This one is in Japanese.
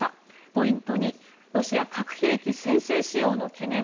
ポイント２、ロシア核兵器先制使用の懸念。